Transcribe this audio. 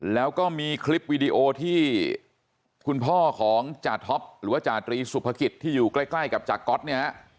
แล้วก็มีคลิปวีดีโอที่คุณพ่อของจาท็อปหรือว่าจาตรีสุภกิจที่อยู่ใกล้กับจากก๊อตเนี่ยฮะ